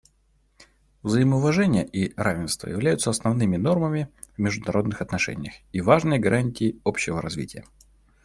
Взаимоуважение и равенство являются основными нормами в международных отношениях и важной гарантией общего развития.